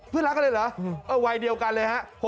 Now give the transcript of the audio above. เพื่อนหลักกันเลยเหรอวัยเดียวกันเลยฮะ